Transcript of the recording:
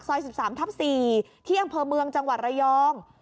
๑๓ทับ๔ที่อำเภอเมืองจังหวัดระยอง